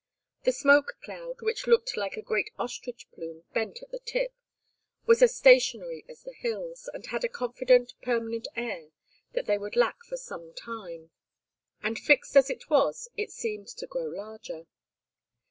The smoke cloud, which looked like a great ostrich plume bent at the tip, was as stationary as the hills, and had a confident permanent air that they would lack for some time. And fixed as it was it seemed to grow larger.